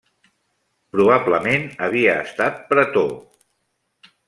Probablement havia estat pretor.